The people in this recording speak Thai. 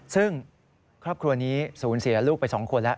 ซึ่งครอบครัวนี้สูญเสียลูกไป๒คนแล้ว